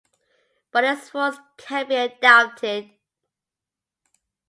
But its force can't be doubted.